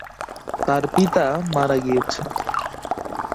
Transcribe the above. তার পিতা মারা গিয়েছে।